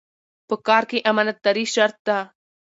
په کار کې امانتداري شرط ده.